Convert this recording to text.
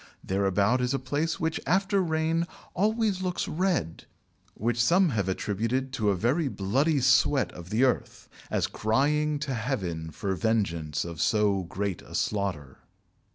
Thereabout is a place which, after rain, always looks red, which some have attributed to a very bloody sweat of the earth, as crying to Heaven for vengeance of so great a slaughter."